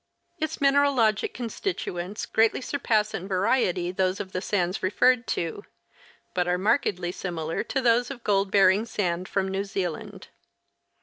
Its mineralogic constituents greatly surpass in variety those of the sands referred to, but are markedly similar to those of gold bearing sand from New Zealand.